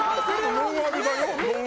ノンアルだよ？